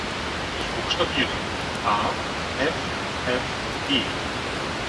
Ich buchstabiere: A. F. F. E.